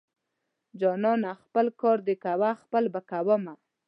جانانه خپل کار دې کوه خپل به کوومه.